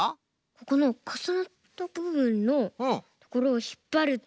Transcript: ここのかさなったぶぶんのところをひっぱると。